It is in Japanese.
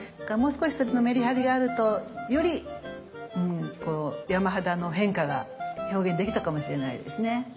だからもう少しそれのメリハリがあるとより山肌の変化が表現できたかもしれないですね。